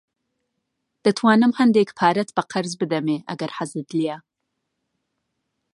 دەتوانم هەندێک پارەت بە قەرز بدەمێ ئەگەر حەزت لێیە.